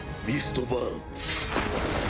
ミストバーン。